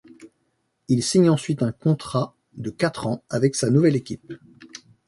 Il signe ensuite un contrat de quatre ans avec sa nouvelle équipe.